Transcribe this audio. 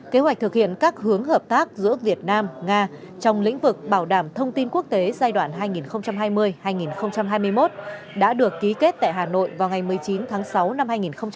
kế hoạch thực hiện các hướng hợp tác giữa việt nam nga trong lĩnh vực bảo đảm thông tin quốc tế giai đoạn hai nghìn hai mươi hai nghìn hai mươi một đã được ký kết tại hà nội vào ngày một mươi chín tháng sáu năm hai nghìn hai mươi